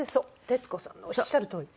徹子さんのおっしゃるとおり。